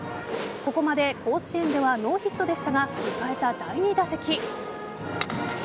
ここまで甲子園ではノーヒットでしたが迎えた第２打席。